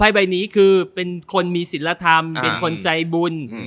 ใบนี้คือเป็นคนมีศิลธรรมเป็นคนใจบุญ